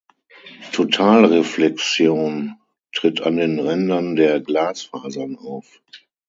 Totalreflexion tritt an den Rändern der Glasfasern auf.